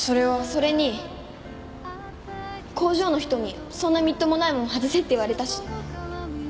それに工場の人にそんなみっともないもの外せって言われたし。